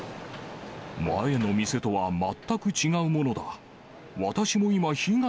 前の店とは全く違うものだ。